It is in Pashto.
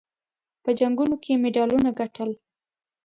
په جنګونو کې یې مډالونه ګټل.